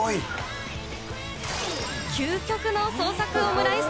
究極の創作オムライス